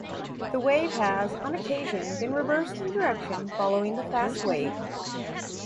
The wave has, on occasion, been reversed in direction following the fast wave.